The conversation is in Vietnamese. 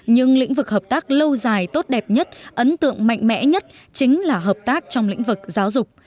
nhưng lĩnh vực hợp tác lâu dài tốt đẹp nhất ấn tượng mạnh mẽ nhất chính là hợp tác trong lĩnh vực giáo dục